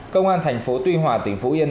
công an thành phố tuy hòa tỉnh phú yên